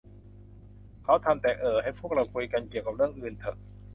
เขาทำ แต่ เอ่อ ให้พวกเราคุยกันเกี่ยวกับเรื่องอื่นเถอะ